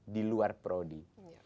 di luar prodi